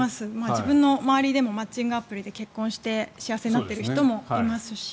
自分の周りでもマッチングアプリで結婚して幸せになっている人もいますし。